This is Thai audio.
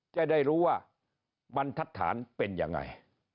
จะได้รู้ว่ามันทัดฐานเป็นอย่างไร